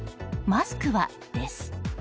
マスクは？です。